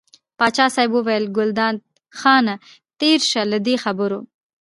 پاچا صاحب وویل ګلداد خانه تېر شه له دې خبرو.